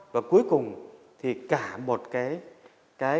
và cuối cùng thì cả một cái